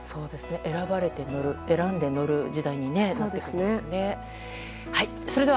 選ばれて乗る、選んで乗る時代になっていきそうですね。